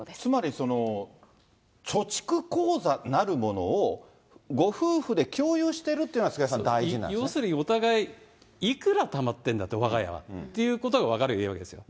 つまり、貯蓄口座なるものを、ご夫婦で共有してるというのが菅要するに、お互いいくらたまってんだと、わが家はということが分かればいいわけですね。